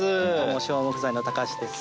昭和木材の橋です